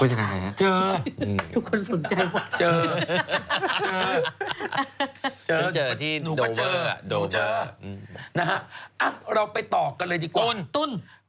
จะไปเจอพุทธศักดิ์ครับ